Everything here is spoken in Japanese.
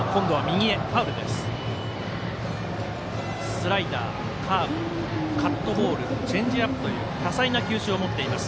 スライダー、カーブカットボールチェンジアップという多彩な球種を持っています。